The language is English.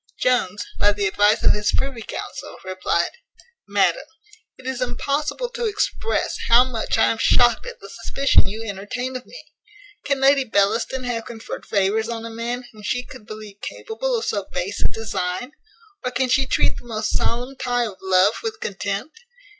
Jones, by the advice of his privy council, replied: "MADAM, "It is impossible to express how much I am shocked at the suspicion you entertain of me. Can Lady Bellaston have conferred favours on a man whom she could believe capable of so base a design? or can she treat the most solemn tie of love with contempt?